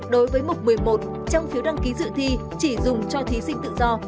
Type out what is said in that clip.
đối với mục một mươi một trong phiếu đăng ký dự thi chỉ dùng cho thí sinh tự do